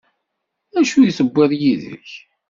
D acu i d-tewwiḍ yid-k?